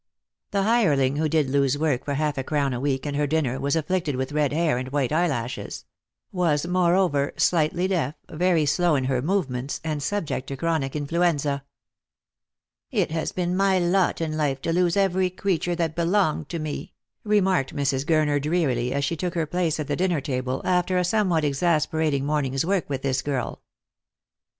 The hireling who did Loo's work for half a crown a week and her dinner was afflicted with red hair and white eyelashes — was, moreover, slightly deaf, very slow in her movements, and subject to chronic influenza. " It has been my lot in life to lose every creature that be longed to me," remarked Mrs. Gurner drearily, as she took her place at the dinner table, after a somewhat exasperating morning's work with this girl.